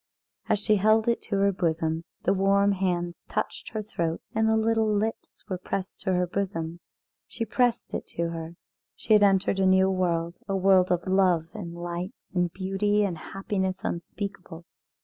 As she held it to her bosom the warm hands touched her throat, and the little lips were pressed to her bosom. She pressed it to her. She had entered into a new world, a world of love and light and beauty and happiness unspeakable.